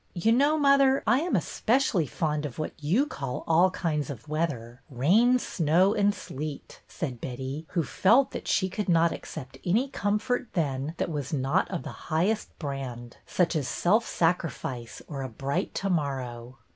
" You know, mother, I am especially fond of what you call ' all kinds of weather,' — rain, snow, and sleet," said Betty, who felt that she could not accept any comfort then that was not of the highest brand, such as self sacrifice or a bright to morrow.